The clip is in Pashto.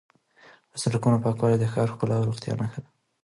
د سړکونو پاکوالی د ښار ښکلا او روغتیا نښه ده.